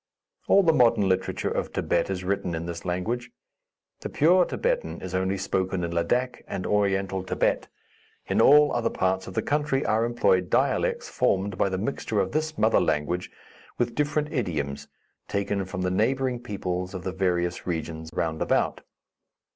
All the modern literature of Thibet is written in this language. The pure Thibetan is only spoken in Ladak and Oriental Thibet. In all other parts of the country are employed dialects formed by the mixture of this mother language with different idioms taken from the neighboring peoples of the various regions round about.